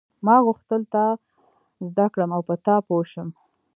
ما غوښتل تا زده کړم او په تا پوه شم.